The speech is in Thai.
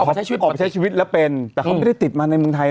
ใช้ชีวิตออกไปใช้ชีวิตแล้วเป็นแต่เขาไม่ได้ติดมาในเมืองไทย